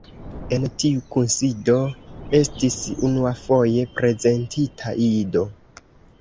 En tiu kunsido estis unuafoje prezentita Ido.